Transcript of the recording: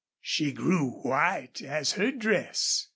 She grew as white as her dress.